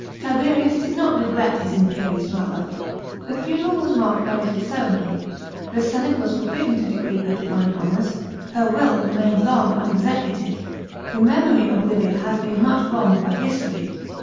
Tiberius did not regret his imperious mother. The funeral was marked by little ceremony ; ilie senate was forbidden to decree her divine honours ; her will remained long unexecuted. The memory of Livia has been much wronged by history.